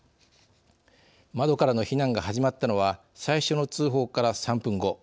窓からの避難が始まったのは最初の通報から３分後。